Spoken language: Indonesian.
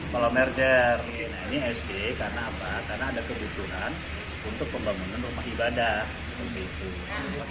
kalau merger nah ini sd karena apa karena ada kebutuhan untuk pembangunan rumah ibadah